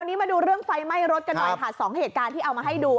วันนี้มาดูเรื่องไฟไหม้รถกันหน่อยค่ะสองเหตุการณ์ที่เอามาให้ดู